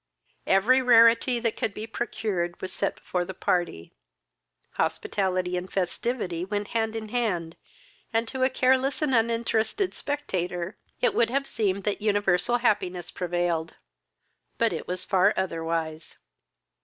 Every rarity that could be procured was set before the party. Hospitality and festivity went hand in hand, and, to a careless and uninterested spectator, it would have seemed that universal happiness prevailed; but it was far otherwise.